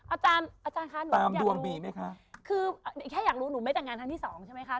อาจารย์อาจารย์คะหนูอยากรวมมีไหมคะคือแค่อยากรู้หนูไม่แต่งงานครั้งที่สองใช่ไหมคะ